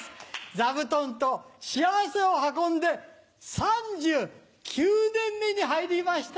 座布団と幸せを運んで３９年目に入りました。